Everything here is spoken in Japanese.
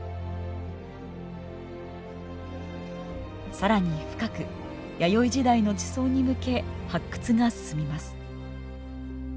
更に深く弥生時代の地層に向け発掘が進みます。